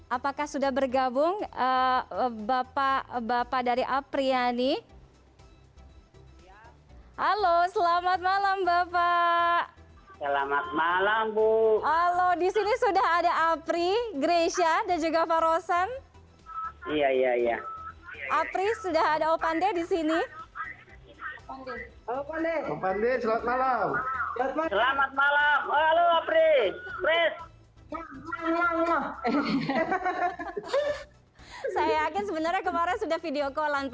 apakah sudah bergabung bapak bapak dari apriyani halo selamat malam bapak selamat malam bu halo